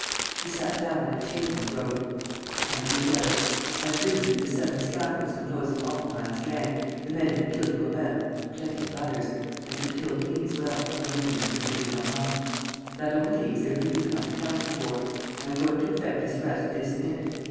He sat down at a table and wrote: "MY DEAR WEBER, "I am bringing you the seven scoundrels composing Altenheim's gang, the men who killed Gourel (and plenty of others) and who killed me as well, under the name of M. Lenormand. "That only leaves their leader unaccounted for. I am going to effect his arrest this minute.